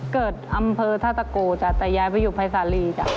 เกิดอำเภอทาตะโกแต่ย้ายไปอยู่ภายศาลี